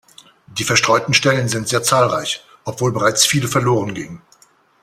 Die verstreuten Stellen sind sehr zahlreich, obwohl bereits viele verloren gingen.